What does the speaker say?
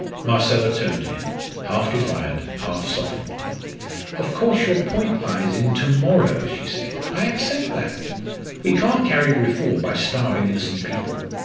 Marcella turned to him, half defiant, half softened. "Of course, your point lies in to morrow," she said. "I accept that. We can't carry reform by starving innocent people.